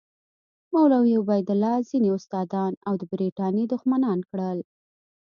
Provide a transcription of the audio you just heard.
مولوي عبیدالله ځینې استادان د برټانیې دښمنان کړل.